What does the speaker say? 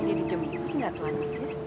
dia di jemput gak telanjutnya